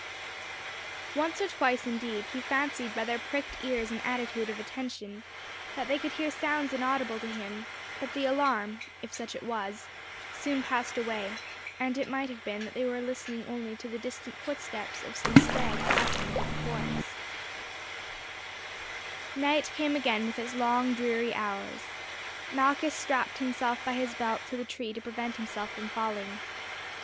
Once or twice, indeed, he fancied by their pricked ears and attitude of attention that they could hear sounds inaudible to him; but the alarm, if such it was, soon passed away, and it might have been that they were listening only to the distant footsteps of some stag passing through the forest. A BATTLE WITH WOLVES.—IV. Night came again with its long dreary hours. Malchus strapped himself by his belt to the tree to prevent himself from falling.